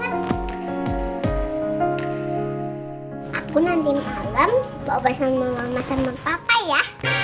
aku nanti malam bawa bawa sama mama sama papa ya